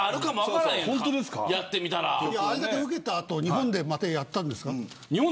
あれだけウケた後また日本でやったんですか。